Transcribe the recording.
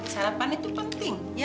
sarapan itu penting ya